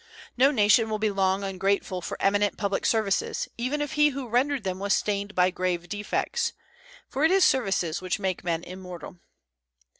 No nation will be long ungrateful for eminent public services, even if he who rendered them was stained by grave defects; for it is services which make men immortal.